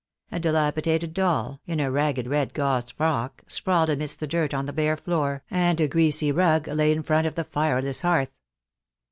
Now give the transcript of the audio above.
A dilapidated doll, in a ragged red gauze frock, sprawled amidst the dirt on the bare floor, and a greasy rug lay in front of the fireless hearth.